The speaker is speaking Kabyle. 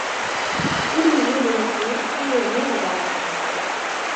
Ur yelli d nutni i yugin ad ṛuḥen.